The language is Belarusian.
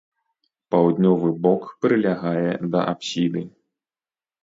Паўднёвы бок прылягае да апсіды.